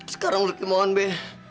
sekarang lu ki mohon be